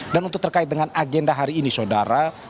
dan untuk terkait dengan agenda hari ini saudara